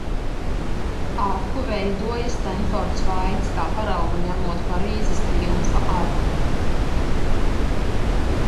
Arku veidoja Stenfords Vaits, kā paraugu ņemot Parīzes Triumfa arku.